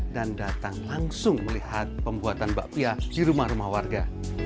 dan datang langsung melihat pembuatan bakpia di rumah rumah warga